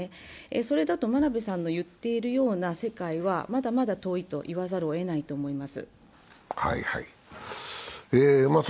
それだと真鍋さんの言っているような世界はまだまだ遠いと言わざるをえないと思います。